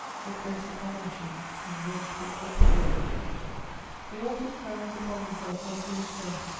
It rests upon ashes whose weight tilted the globe. "They all put crowns upon themselves after his death